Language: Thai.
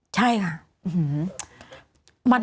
ใช่ค่ะ